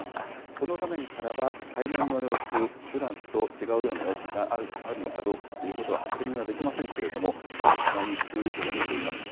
この画面からは海面の様子、ふだんと違うような様子があるのかどうかという確認はできませんけれども、津波注意報が出ています。